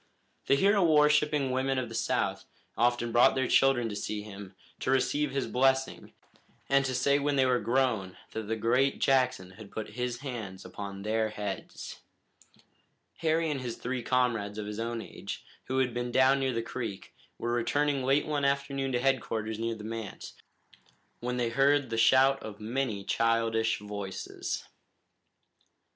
The hero worshipping women of the South often brought their children to see him, to receive his blessing, and to say when they were grown that the great Jackson had put his hands upon their heads. Harry and his three comrades of his own age, who had been down near the creek, were returning late one afternoon to headquarters near the manse, when they heard the shout of many childish voices.